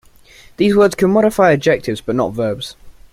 These words can modify adjectives but not verbs.